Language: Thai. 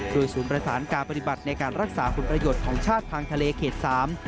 โดยศูนย์ประสานการปฏิบัติในการรักษาผลประโยชน์ของชาติทางทะเลเขตสาม